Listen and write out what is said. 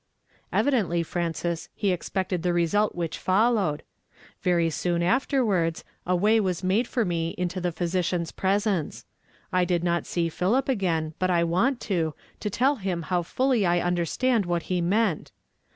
Evi dently, Frances, he expected the result Avhich fol lowed. Very soon afterwards, a way was made for me into the physician's presence. I did not see Philip again, but I want to, to tell him how fully I understand what he meant.